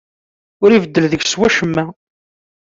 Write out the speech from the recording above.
Ur ibeddel deg-s wacemma.